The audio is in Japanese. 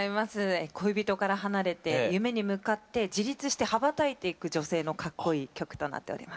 恋人から離れて夢に向かって自立して羽ばたいていく女性のかっこいい曲となっております。